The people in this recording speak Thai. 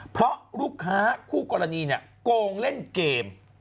เพราะลูกค้าคู่กรณีเนี่ยโกงเล่นเกม